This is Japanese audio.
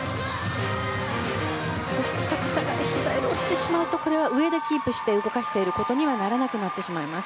そして高さがひざから落ちてしまうと上でキープして動かしていることにはならなくなってしまいます。